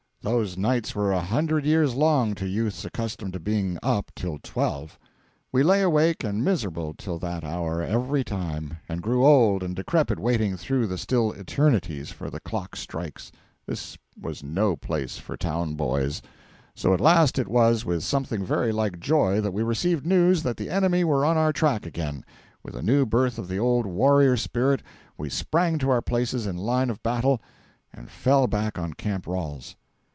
Those nights were a hundred years long to youths accustomed to being up till twelve. We lay awake and miserable till that hour every time, and grew old and decrepit waiting through the still eternities for the clock strikes. This was no place for town boys. So at last it was with something very like joy that we received news that the enemy were on our track again. With a new birth of the old warrior spirit, we sprang to our places in line of battle and fell back on Camp Ralls.